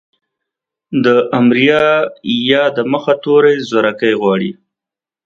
د امريه يا مخاطبې ئ د مخه توری زورکی غواړي.